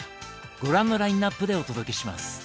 ご覧のラインナップでお届けします。